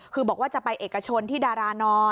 คือบอกว่าจะไปเอกชนที่ดารานอน